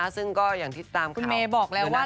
ซึ่งก็อย่างที่ตามคุณเมย์บอกแล้วว่า